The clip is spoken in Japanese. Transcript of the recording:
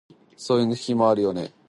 そういう日もあるよね